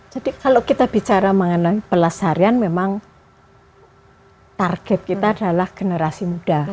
jadi kalau kita bicara mengenai pelas tarian memang target kita adalah generasi muda